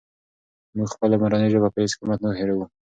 موږ خپله مورنۍ ژبه په هېڅ قیمت نه هېروو.